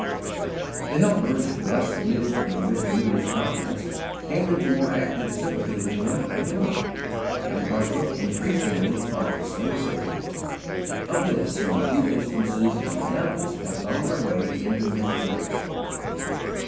"_Narrative, 1: 246. The helpers, thus admitted into Mr. Muller's confidence, came into more active sympathy with him and the work, and partook increasingly of the same spirit. Of this some few instances and examples have found their way into his journal.